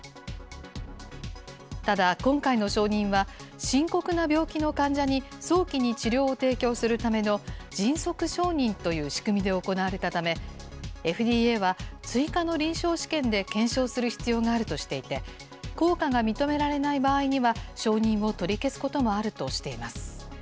ただ、今回の承認は、深刻な病気の患者に早期に治療を提供するための、迅速承認という仕組みで行われたため、ＦＤＡは追加の臨床試験で検証する必要があるとしていて、効果が認められない場合には、承認を取り消すこともあるとしています。